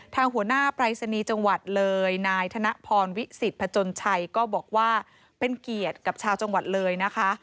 ทางหัวหน้าปรายศนีย์จังหวัดเลยนายธนพรวิสิตพจนชัยก็บอกว่าเป็นเกียรติกับชาวจังหวัดเลยนะคะ